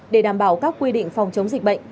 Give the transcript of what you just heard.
để đảm bảo các quy định phòng chống dịch bệnh